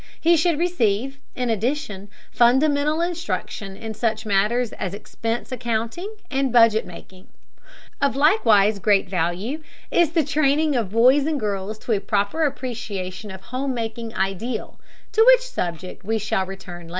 He should receive, in addition, fundamental instruction in such matters as expense accounting and budget making. Of similarly great value is the training of boys and girls to a proper appreciation of the home making ideal, to which subject we shall return later.